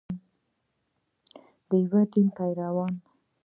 د یو دین پیروان.